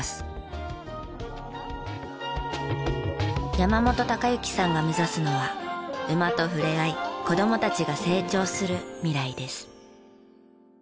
山本高之さんが目指すのは馬とふれあい子どもたちが成長する未来です。